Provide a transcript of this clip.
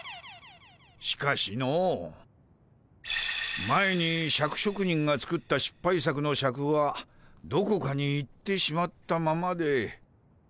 しかしの前にシャク職人が作ったしっぱい作のシャクはどこかに行ってしまったままで。